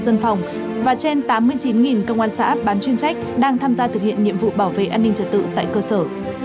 đang tham gia thực hiện nhiệm vụ bảo vệ an ninh trật tự tại cơ sở